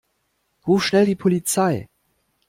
Ruf schnell die Polizei!